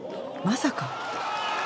まさか。